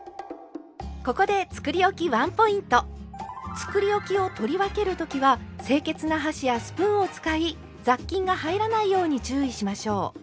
つくりおきを取り分けるときは清潔な箸やスプーンを使い雑菌が入らないように注意しましょう。